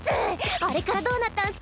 あれからどうなったんスか？